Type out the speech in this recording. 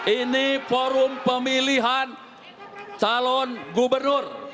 ini forum pemilihan calon gubernur